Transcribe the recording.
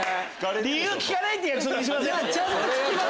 理由聞かないって約束にしません？